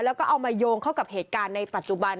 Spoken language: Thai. แล้วก็เอามาโยงเข้ากับเหตุการณ์ในปัจจุบัน